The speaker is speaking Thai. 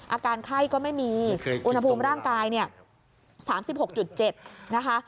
อาการไข้ก็ไม่มีอุณหภูมิร่างกายเนี่ย๓๖๗นะคะ